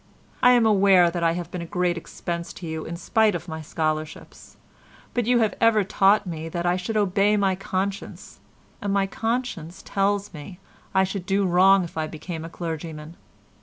I am aware that I have been a great expense to you in spite of my scholarships, but you have ever taught me that I should obey my conscience, and my conscience tells me I should do wrong if I became a clergyman.